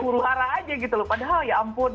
huru hara aja padahal ya ampun